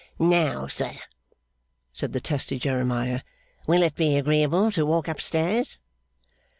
'Now, sir,' said the testy Jeremiah; 'will it be agreeable to walk up stairs?